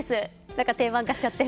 何か定番化しちゃって。